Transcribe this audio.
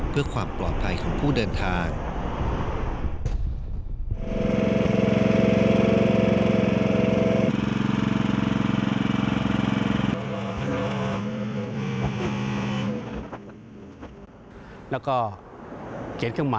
เพื่อความปลอดภัยของผู้เดินทาง